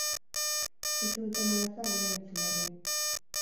Bizi duten arazoa agerian utzi nahi du.